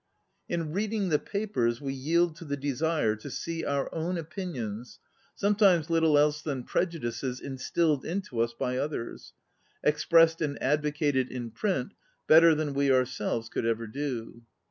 In reading the papers we yield to the desire to see our own opinions, sometimes little else than prejudices instilled into us by others, expressed and advocated in print better than we ourselves could ever do.